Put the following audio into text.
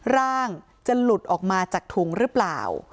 ร่างจะหลุดออกมาจากถุงหรือเปล่า